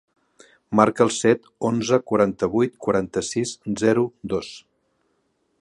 Marca el set, onze, quaranta-vuit, quaranta-sis, zero, dos.